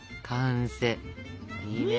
いいね。